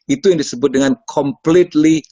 itu yang disebut dengan completely